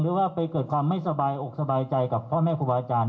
หรือว่าไปเกิดความไม่สบายอกสบายใจกับพ่อแม่ครูบาอาจารย์